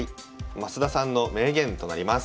増田さんの名言となります。